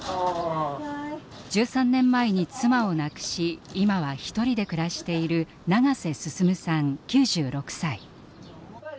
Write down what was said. １３年前に妻を亡くし今はひとりで暮らしている長瀬進さん９６歳。